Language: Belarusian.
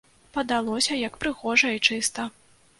Падалося, як прыгожа і чыста.